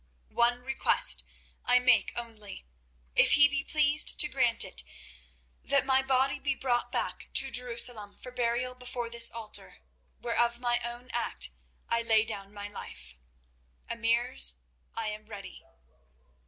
One request I make only, if he be pleased to grant it—that my body be brought back to Jerusalem for burial before this altar, where of my own act I lay down my life. Emirs, I am ready."